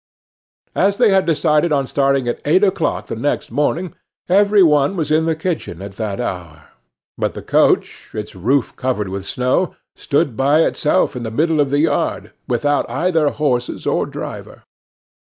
As they had decided on starting at eight o'clock the next morning, every one was in the kitchen at that hour; but the coach, its roof covered with snow, stood by itself in the middle of the yard, without either horses or driver.